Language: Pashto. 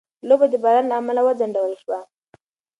لوبه د باران له امله وځنډول شوه.